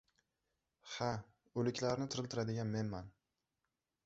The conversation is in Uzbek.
-Ha, o‘liklarni tiriltiradigan menman.